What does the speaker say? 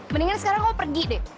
mendingan sekarang kamu pergi deh